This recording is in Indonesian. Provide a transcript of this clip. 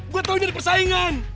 gue tau ini persaingan